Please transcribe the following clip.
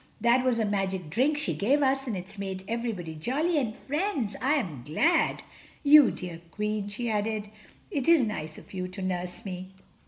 That was a magic drink she gave us and it's made everybody jolly and friends—I am glad. You dear Queen," she added, "it is nice of you to nurse me."